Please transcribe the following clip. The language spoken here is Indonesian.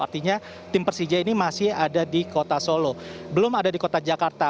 artinya tim persija ini masih ada di kota solo belum ada di kota jakarta